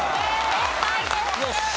正解です。